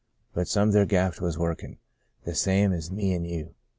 But some their graft was workin', the same as me an' you.